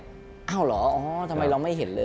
อ้าวเหรออ๋อทำไมเราไม่เห็นเลย